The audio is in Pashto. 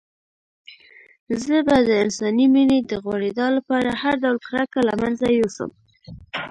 زه به د انساني مينې د غوړېدا لپاره هر ډول کرکه له منځه يوسم.